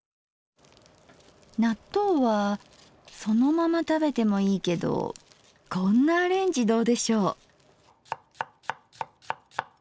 納豆はそのまま食べてもいいけどこんなアレンジどうでしょう？